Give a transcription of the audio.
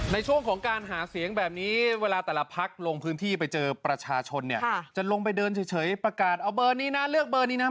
ในช่วงของการหาเสียงแบบนี้เวลาแต่ละพักลงพื้นที่ไปเจอประชาชนเนี่ยจะลงไปเดินเฉยประกาศเอาเบอร์นี้นะเลือกเบอร์นี้นะ